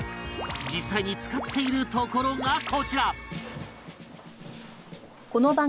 実際に使っているところがこちら